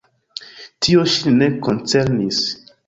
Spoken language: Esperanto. Tio ŝin ne koncernis.